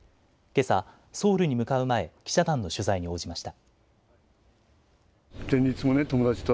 けさ、ソウルに向かう前記者団の取材に応じました。